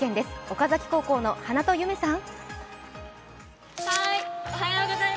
岡崎高校の花戸結芽さん。